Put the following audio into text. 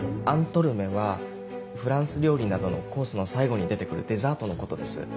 アントルメはフランス料理などのコースの最後に出て来るデザートのことです。